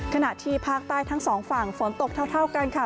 ขณะที่ภาคใต้ทั้งสองฝั่งฝนตกเท่ากันค่ะ